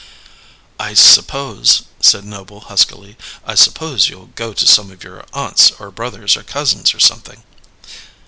"I suppose," said Noble huskily, "I suppose you'll go to some of your aunts or brothers or cousins or something."